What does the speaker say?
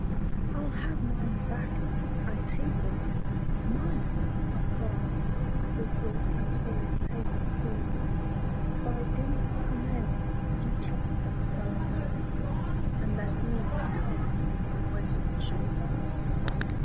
" I'll have mine back I paid for it it's mine !" I cried. We fought and tore the paper frilling. By dint of nail you kept that valentine, And left me howling for my wasted shilling.